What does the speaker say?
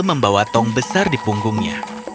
dan membawa tong besar di punggungnya